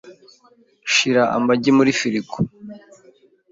Shira amagi muri firigo .